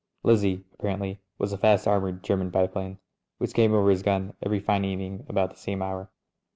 Liz zie, apparently, was a fast armoured German biplane which came over his gun every fine evening about the same hour.